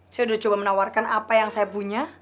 saya sudah coba menawarkan apa yang saya punya